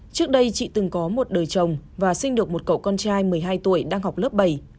trước đây chị từng có một đời chồng và sinh được một cậu con trai một mươi hai tuổi đang học lớp bảy